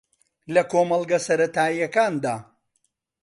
لە کۆمەڵگە سەرەتایییەکاندا